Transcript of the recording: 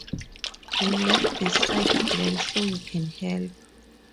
We left this side blank so you can help.